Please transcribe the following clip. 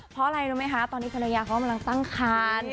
เพราะอะไรรู้ไหมคะตอนนี้ภรรยาเขากำลังตั้งคัน